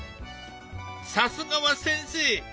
さすがは先生！